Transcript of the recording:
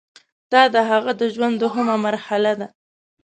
دا د هغه د ژوند دوهمه مرحله ده.